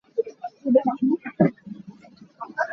Thing na phurh lio ka'an hmuh.